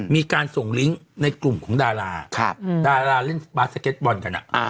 มีการส่งลิงก์ในกลุ่มของดาราดาราเล่นสบาสเก็ตบอลกัน